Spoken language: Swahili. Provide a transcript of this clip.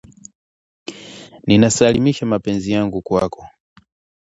"Ninasalimisha mapenzi yangu kwako